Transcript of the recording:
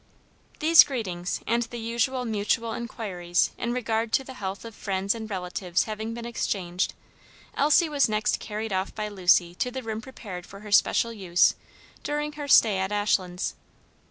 These greetings and the usual mutual inquiries in regard to the health of friends and relatives having been exchanged, Elsie was next carried off by Lucy to the room prepared for her special use during her stay at Ashlands.